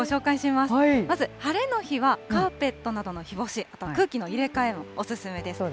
まず晴れの日は、カーペットなどの日干し、空気の入れ替えもお勧めです。